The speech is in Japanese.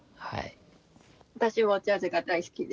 私もジャズが大好きです。